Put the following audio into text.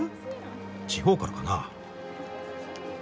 地方からかな。